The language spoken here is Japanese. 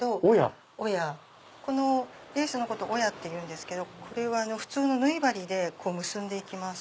このレースのことをオヤっていうんですけど普通の縫い針で結んで行きます。